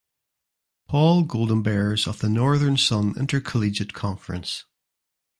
Paul Golden Bears of the Northern Sun Intercollegiate Conference.